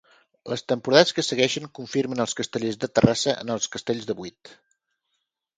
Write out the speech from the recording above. Les temporades que segueixen confirmen als Castellers de Terrassa en els castells de vuit.